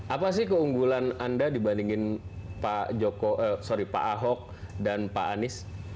apa sih keunggulan anda dibandingin pak ahok dan pak anies